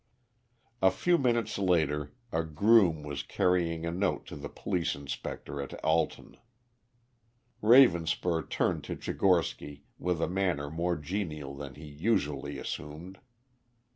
A few minutes later a groom was carrying a note to the police inspector at Alton. Ravenspur turned to Tchigorsky with a manner more genial than he usually assumed.